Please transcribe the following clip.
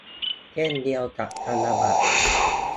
เช่นเดียวกับธนบัตร